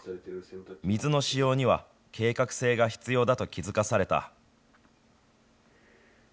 水の使用には計画性が必要だと気付かされた。